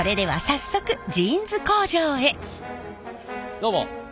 どうも！